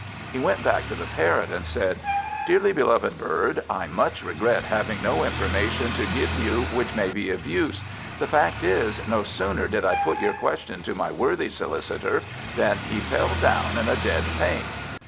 He went back to the Parrot and said "Dearly beloved bird, I much regret having no information to give you which may be of use. The fact is, no sooner did I put your question to my worthy Solicitor, than he fell down in a dead faint."